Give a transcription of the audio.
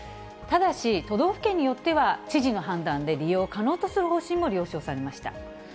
ただし、都道府県によっては知事の判断で利用可能とする方針も了承されました。